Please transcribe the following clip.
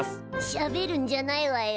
しゃべるんじゃないわよ。